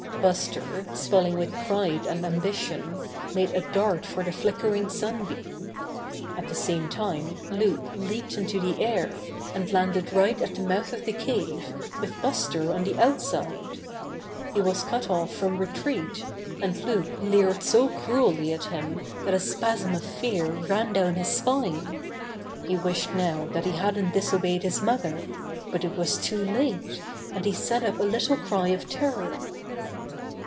Buster, swelling with pride and ambition, made a dart for the flickering sun beam. At the same time Loup leaped into the air, and landed right at the mouth of the cave, with Buster on the outside. He was cut off from retreat, and Loup leered so cruelly at him that a spasm of fear ran down his spine. He wished now that he hadn't disobeyed his mother, but it was too late, and he set up a little cry of terror.